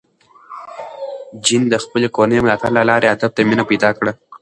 جین د خپلې کورنۍ د ملاتړ له لارې ادب ته مینه پیدا کړه.